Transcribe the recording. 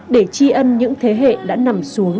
để chi ân những thế hệ đã nằm xuống